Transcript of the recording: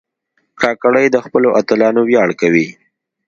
کاکړي د خپلو اتلانو ویاړ کوي.